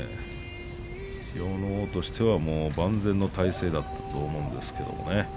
千代ノ皇としては万全の体勢だったと思うんですけれどね。